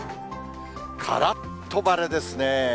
からっと晴れですね。